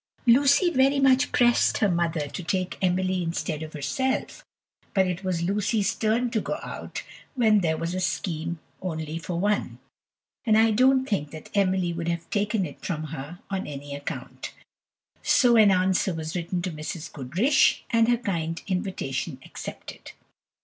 Lucy very much pressed her mother to take Emily instead of herself, but it was Lucy's turn to go out when there was a scheme only for one, and I don't think that Emily would have taken it from her on any account. So an answer was written to Mrs. Goodriche, and her kind invitation accepted.